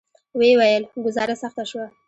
ویې ویل: ګوزاره سخته شوه.